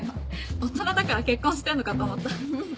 大人だから結婚してんのかと思った。